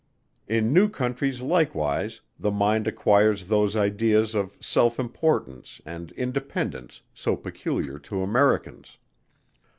In new countries likewise the mind acquires those ideas of self importance and independence so peculier to Americans.